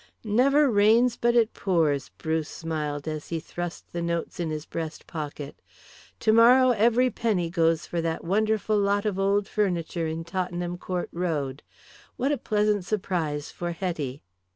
"Never rains but it pours," Bruce smiled as he thrust the notes in his breast pocket. "Tomorrow every penny goes for that wonderful lot of old furniture in Tottenham Court Road. What a pleasant surprise for Hetty!"